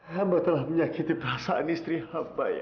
hamba telah menyakiti perasaan istri hamba ya